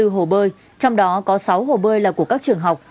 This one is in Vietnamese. hai mươi hồ bơi trong đó có sáu hồ bơi là của các trường học